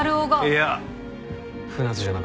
いや船津じゃなかった。